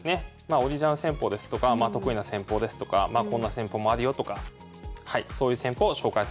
オリジナル戦法ですとか得意な戦法ですとかこんな戦法もあるよとかそういう戦法を紹介させていただきます。